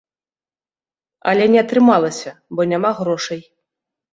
Але не атрымалася, бо няма грошай.